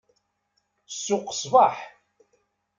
Ssuq, ṣṣbeḥ!